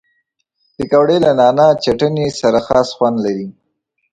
پکورې له نعناع چټني سره خاص خوند لري